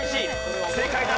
正解だ。